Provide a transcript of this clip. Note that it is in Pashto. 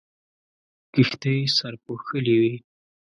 کښتۍ سرپوښلې وې.